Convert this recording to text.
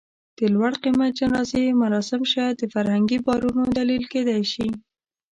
د لوړ قېمت جنازې مراسم شاید د فرهنګي باورونو دلیل کېدی شي.